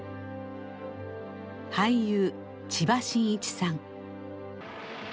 俳優千葉真一さん。